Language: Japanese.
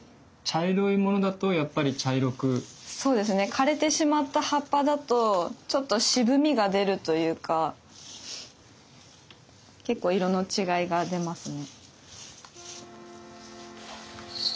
枯れてしまった葉っぱだとちょっと渋みが出るというか結構色の違いが出ますね。